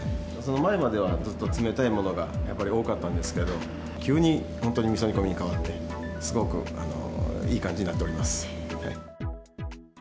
前まではずっと冷たいものがやっぱり多かったんですけど、急に本当にみそ煮込みに変わって、すごくいい感じになっております。